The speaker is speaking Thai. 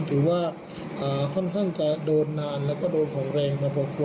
ถือว่าค่อนข้างจะโดนนานแล้วก็โดนของแรงมาพอ